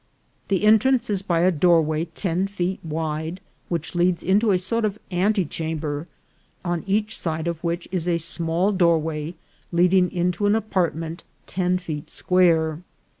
The entrance is by a doorway ten feet wide, which leads into a sort of antechamber, on each side of which is a small doorway leading into an apartment ten feet square.